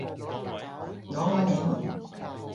我愛你們